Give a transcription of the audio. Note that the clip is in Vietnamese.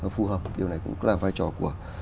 phù hợp điều này cũng là vai trò của